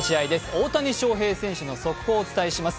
大谷翔平選手の速報をお伝えします。